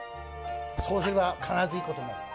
そうすれば必ずいいことがある。